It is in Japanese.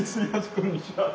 こんにちは。